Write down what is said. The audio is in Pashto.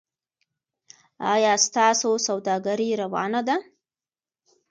ایا ستاسو سوداګري روانه ده؟